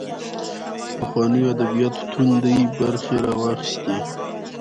پخوانیو ادبیاتو توندۍ برخې راواخیستې